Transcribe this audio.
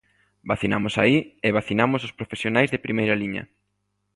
Vacinamos aí e vacinamos os profesionais de primeira liña.